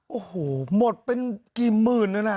โอ้โหหมดเป็นกี่หมื่นนั่นน่ะ